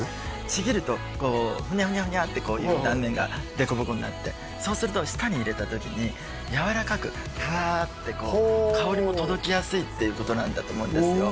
ちぎるとこうふにゃふにゃふにゃってこういう断面が凸凹になってそうすると舌に入れた時にやわらかくふわってこう香りも届きやすいっていうことなんだと思うんですよ